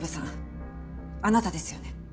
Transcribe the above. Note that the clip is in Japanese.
あなたですよね？